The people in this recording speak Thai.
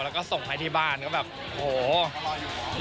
แล้วก็ส่งให้ที่บ้านก็แบบโห